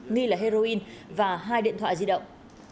nghi là heroin và hai điện thoại di động